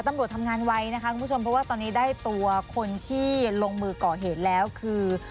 ตำรวจทำงานไวนะคะคุณผู้ชมเพราะว่าตอนนี้ได้ตัวคนที่ลงมือก่อเหตุแล้วคือ